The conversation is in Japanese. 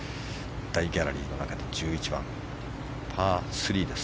大ギャラリーの中で１１番、パー３です。